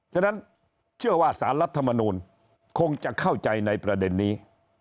ฉะนั้นเชื่อว่าสารรัฐมนูลคงจะเข้าใจในประเด็นนี้